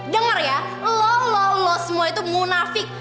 dengar ya lo lo lo semua itu munafik